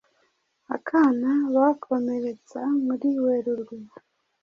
akana bakomeretsa muri Werurwe